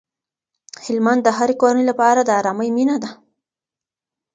هلمند د هرې کورنۍ لپاره د ارامۍ مينه ده.